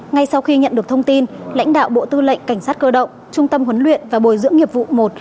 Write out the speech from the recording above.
ngay sau khi nhận được thông tin lãnh đạo bộ tư lệnh cảnh sát cơ động trung tâm huấn luyện và bồi dưỡng nghiệp vụ một